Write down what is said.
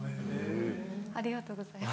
ありがとうございます